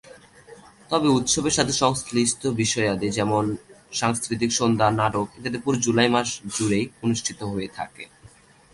তবে উৎসবের সাথে সংশ্লিষ্ট বিষয়াদি যেমন: সাংস্কৃতিক সন্ধ্যা, নাটক ইত্যাদি পুরো জুলাই মাস জুড়েই অনুষ্ঠিত হয়ে থাকে।